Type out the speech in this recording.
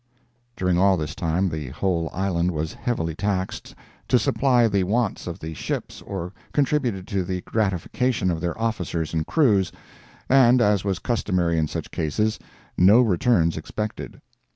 During all this time the whole island was heavily taxed to supply the wants of the ships or contributed to the gratification of their officers and crews, and as was customary in such cases, no returns expected.